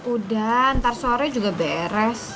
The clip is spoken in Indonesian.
udah ntar sore juga beres